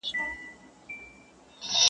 • دا پېودلي دي جانان راته د خپل غاړي له هاره,